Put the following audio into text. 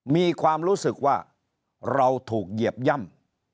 มีความรู้สึกว่าเราถูกเหยียบย่ำ